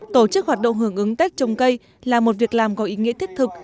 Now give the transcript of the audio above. tổ chức hoạt động hưởng ứng tết trồng cây là một việc làm có ý nghĩa thiết thực